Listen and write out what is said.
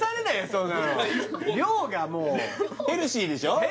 そんなの量がもうヘルシーでしょう？